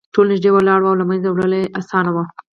ټول نږدې ولاړ وو او له منځه وړل یې اسانه وو